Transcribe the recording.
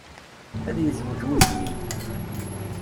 Ad yezweǧ wuzyin.